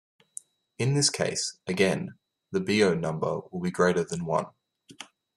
In this case, again, the Biot number will be greater than one.